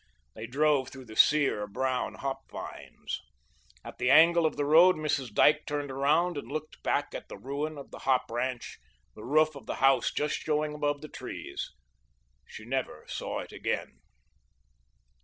They drove through the sear, brown hop vines. At the angle of the road Mrs. Dyke turned around and looked back at the ruin of the hop ranch, the roof of the house just showing above the trees. She never saw it again.